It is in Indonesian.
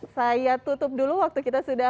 saya tutup dulu waktu kita sudah